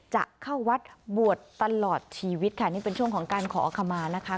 จะเข้าวัดบวชตลอดชีวิตค่ะนี่เป็นช่วงของการขอขมานะคะ